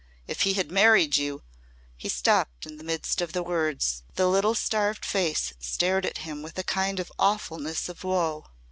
If he had married you " He stopped in the midst of the words. The little starved face stared at him with a kind of awfulness of woe.